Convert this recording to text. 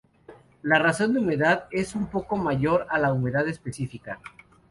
La razón de humedad es un poco mayor que la humedad específica.